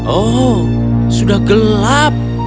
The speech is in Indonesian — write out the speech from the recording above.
oh sudah gelap